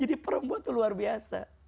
jadi perempuan itu luar biasa